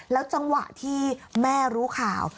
จังหวะที่แม่รู้ข่าว